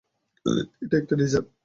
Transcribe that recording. এটা একটা ডেজার্ট।